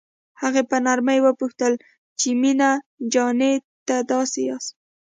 هغه په نرمۍ وپوښتل چې مينه جانې دا تاسو یاست.